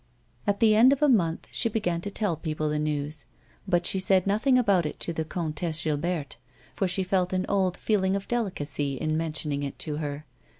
At the end of a month she began to tell people the news, but she said nothing about it to the Comtesse Gilberte, for she felt an old feeling of delicacy in mentioning it to her.